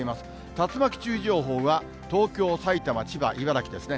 竜巻注意情報が東京、埼玉、千葉、茨城ですね。